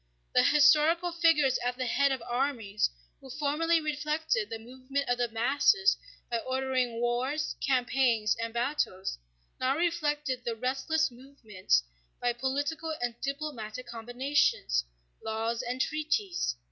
The historical figures at the head of armies, who formerly reflected the movement of the masses by ordering wars, campaigns, and battles, now reflected the restless movement by political and diplomatic combinations, laws, and treaties.